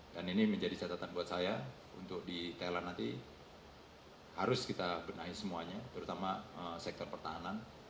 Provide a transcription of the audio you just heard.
dan ini menjadi catatan buat saya untuk di tela nanti harus kita benahi semuanya terutama sektor pertahanan